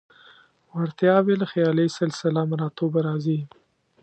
وړتیاوې له خیالي سلسله مراتبو راځي.